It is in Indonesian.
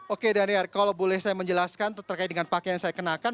oke daniar kalau boleh saya menjelaskan terkait dengan pakaian yang saya kenakan